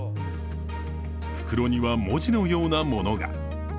袋には文字のようなものが。